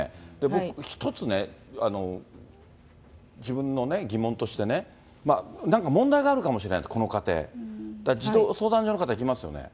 僕、１つね、自分のね、疑問として、なんか問題があるかもしれない、この家庭、だから児童相談所の方、行きますよね。